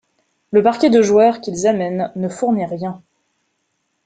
Le parquet de joueurs qu'ils amènent ne fournit rien.